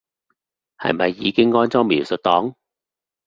係咪已經安裝描述檔